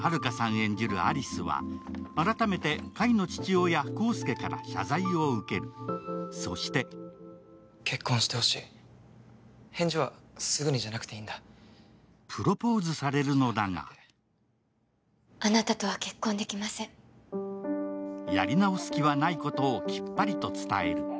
演じる有栖は改めて海の父親・康介から謝罪を受ける、そしてプロポーズされるのだがやり直す気はないことをきっぱりと伝える。